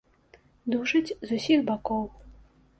Душаць з усіх бакоў.